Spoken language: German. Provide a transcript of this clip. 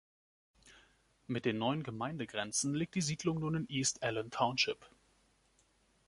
Mit den neuen Gemeindegrenzen liegt die Siedlung nun in East Allen Twp.